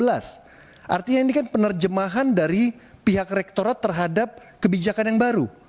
artinya ini kan penerjemahan dari pihak rektorat terhadap kebijakan yang baru